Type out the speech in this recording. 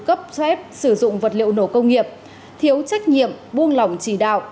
cấp phép sử dụng vật liệu nổ công nghiệp thiếu trách nhiệm buông lỏng chỉ đạo